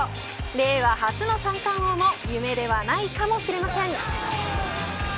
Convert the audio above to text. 令和初の三冠王も夢ではないかもしれません。